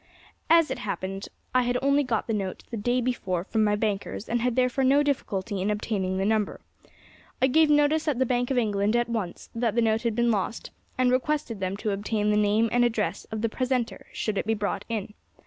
"As it happened, I had only got the note the day before from my bankers, and had therefore no difficulty in obtaining the number. I gave notice at the Bank of England at once that the note had been lost, and requested them to obtain the name and address of the presenter, should it be brought in.